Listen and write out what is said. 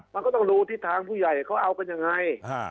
มันก็ต้องดูทิศทางผู้ใหญ่เขาเอากันยังไง